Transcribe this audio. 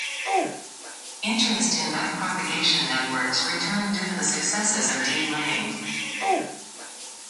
Interest in backpropagation networks returned due to the successes of deep learning.